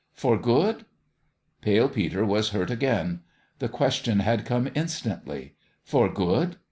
" For good ?" Pale Peter was hurt again. The question had come instantly. For good